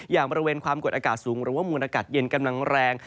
อย่างบริเวณความกดอากาศสูงหรือว่ามูลอากาศเย็นกำลังแรง